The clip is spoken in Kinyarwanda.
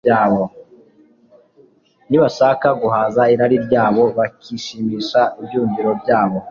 nibashaka guhaza irari ryabo, bakijimisha ibyumviro byabo